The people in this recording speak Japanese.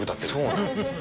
そうなんですよ。